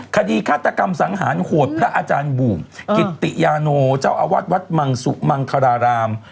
คดีฆาตกรรมสังหารขวดพระอาจารย์บู่มกิตติยาหมู่เจ้าอาวัดวัดมรรณสุมรรคราราม